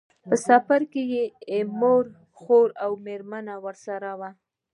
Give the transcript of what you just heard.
په سفر کې یې مور، خور او مېرمنه ورسره وو.